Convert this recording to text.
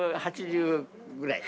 １８０ぐらい。